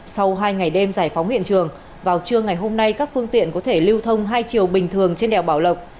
sau hai ngày đêm giải phóng hiện trường vào trưa ngày hôm nay các phương tiện có thể lưu thông hai chiều bình thường trên đèo bảo lộc